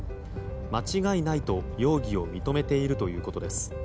間違いないと容疑を認めているということです。